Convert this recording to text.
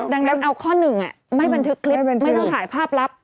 ดังนั้นเอาข้อหนึ่งไม่บันทึกคลิปไม่ต้องถ่ายภาพลับ